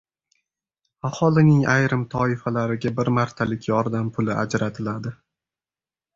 Aholining ayrim toifalariga bir martalik yordam puli ajratiladi